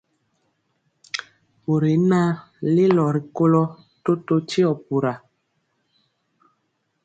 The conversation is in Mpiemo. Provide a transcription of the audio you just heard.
Bori y naŋ lelo rikolo totó tio pura.